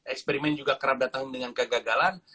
eksperimen juga kerap datang dengan kegagalan